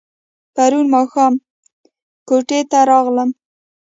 پرون ماښام کوټې ته راغلم.